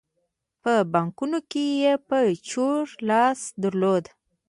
په بانکونو کې یې په چور لاس درلود.